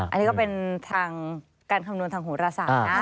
อันนี้ก็เป็นทางการคำนวณทางโหรศาสตร์นะ